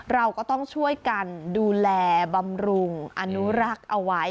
เราก็ต้องช่วยกันดูแลบำรุงอนุรักษ์เอาไว้